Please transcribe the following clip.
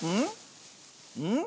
うん？